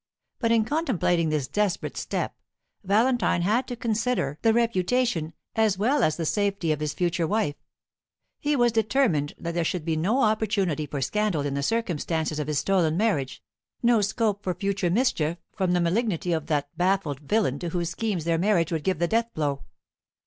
But in contemplating this desperate step Valentine had to consider the reputation as well as the safety of his future wife. He was determined that there should be no opportunity for scandal in the circumstances of his stolen marriage, no scope for future mischief from the malignity of that baffled villain to whose schemes their marriage would give the death blow.